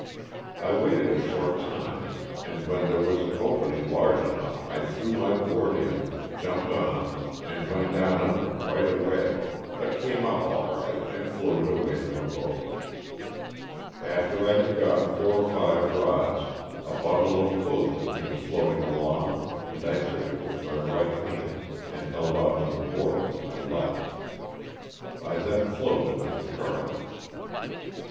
J waitod a nhort timo and whon thoro wan an ()p<in\n'^ largo on ugh i tijrow my hoard in, jumpod on and wont down und^jr qui to a way, hut oamo up all right and floatod away from tho hoat. Aftor J had gone fourorfivo rodn a hundlo of olothing oamo floating along arjd 1 took it in with my right hand and hold on to tho hoard with my loft. I thon floatod with the ourront.